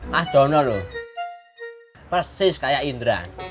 mas jono lho persis kayak indra